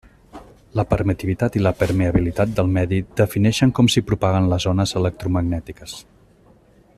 La permitivitat i la permeabilitat del medi defineixen com s'hi propaguen les ones electromagnètiques.